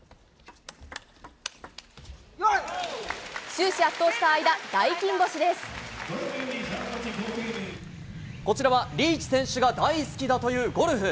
終始、こちらはリーチ選手が大好きだというゴルフ。